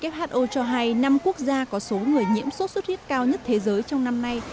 who cho hay năm quốc gia có số người nhiễm sốt xuất huyết cao nhất thế giới trong năm nay